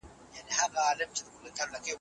محصولاتو ته د تقاضا بدلون هم شرط دی.